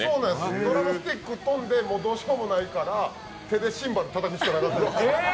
ドラムスティック飛んで、もうどうしようもないから手でシンバルたたくしかなかったです。